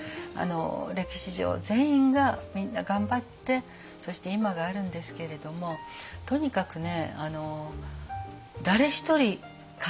歴史上全員がみんな頑張ってそして今があるんですけれどもとにかくね